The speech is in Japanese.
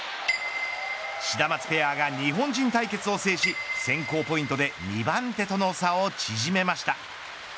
シダマツペアが日本人対決を制し選考ポイントで２番手との差を縮めました。